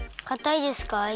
かたいですか？